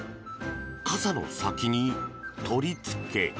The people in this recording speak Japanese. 傘の先に取りつけ。